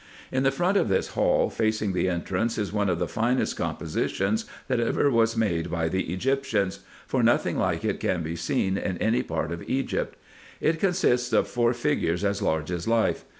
In the front of this hall, facing the entrance, is one of the finest compositions that ever was made by the Egyptians, for nothing like it can be seen in any part of Egypt. It consists of four figures as large as life.